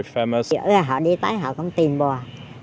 khi họ đi tới họ không tìm bà